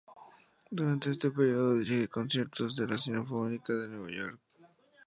Durante este período dirige conciertos de la Sinfónica de Nueva York.